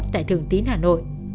tại thường tín hà nội